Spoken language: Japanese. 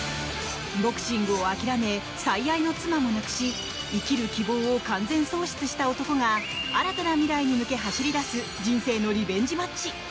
ボクシングを諦め最愛の妻も亡くし生きる希望を完全喪失した男が新たな未来に向け走り出す人生のリベンジマッチ。